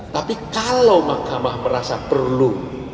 tapi kalau mahkamah merasa perlu